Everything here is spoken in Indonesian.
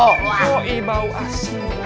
poi bau asin